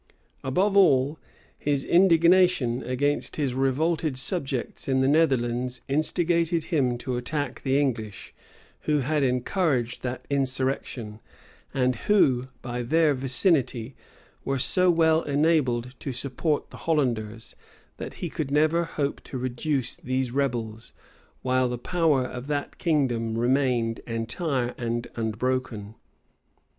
Above all, his indignation against his revolted subjects in the Netherlands instigated him to attack the English, who had encouraged that insurrection; and who, by their vicinity, were so well enabled to support the Hollanders, that he could never hope to reduce these rebels, while the power of that kingdom remained entire and unbroken.